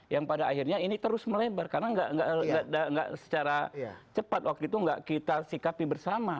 yang pada akhirnya ini terus melebar karena tidak secara cepat waktu itu nggak kita sikapi bersama